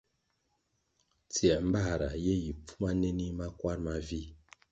Tsiē mbāra ye yi pfuma nenih makwar mavih,